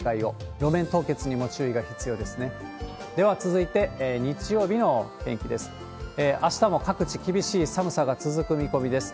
路面凍結にも注意が必要ですね。